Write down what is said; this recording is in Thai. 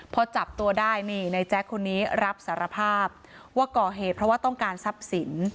พอจับตัวได้นี่ในแจ๊คคนนี้รับสารภาพว่าก่อเหตุเพราะว่าต้องการทรัพย์สิน